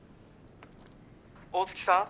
大月さん？